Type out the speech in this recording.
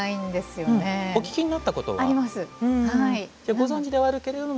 ご存じではあるけれども。